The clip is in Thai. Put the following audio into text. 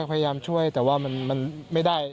พยายามช่วยแต่ว่ามันไม่ได้